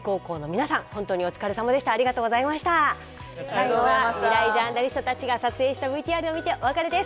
最後はみらいジャーナリストたちが撮影したＶＴＲを見てお別れです。